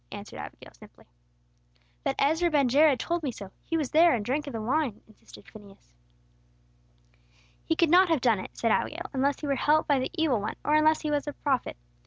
answered Abigail, simply. "But Ezra ben Jared told me so. He was there, and drank of the wine," insisted Phineas. "He could not have done it," said Abigail, "unless he were helped by the evil one, or unless he were a prophet.